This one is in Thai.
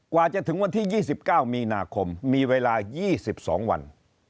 กว่าจะถึงวันที่๒๙มีนาคมมีเวลา๒๒วัน